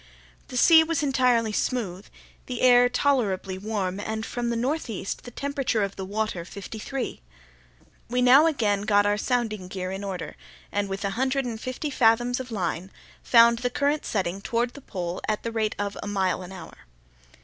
The sea was entirely smooth, the air tolerably warm and from the northeast, the temperature of the water fifty three. We now again got our sounding gear in order, and, with a hundred and fifty fathoms of line, found the current setting toward the pole at the rate of a mile an hour.